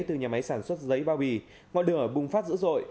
từ nhà máy sản xuất giấy bao bì ngọn lửa bùng phát dữ dội